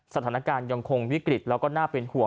สถานการณ์ยังคงวิกฤตแล้วก็น่าเป็นห่วง